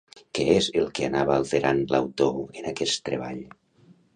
Què és el que anava alterant l'autor en aquest treball?